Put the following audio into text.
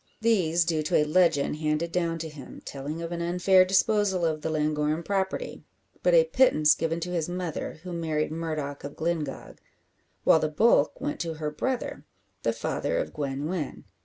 These due to a legend handed down to him, telling of an unfair disposal of the Llangorren property; but a pittance given to his mother who married Murdock of Glyngog; while the bulk went to her brother, the father of Gwen Wynn.